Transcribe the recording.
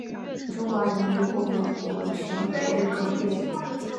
中华人民共和国全国运动会。